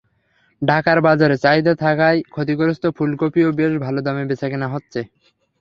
ঢাকার বাজারে চাহিদা থাকায় ক্ষতিগ্রস্ত ফুলকপিও বেশ ভালো দামে বেচাকেনা হচ্ছে।